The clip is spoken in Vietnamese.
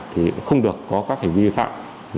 thì không được có các hình vi phạm